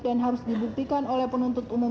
dan harus dibuktikan oleh penuntut umum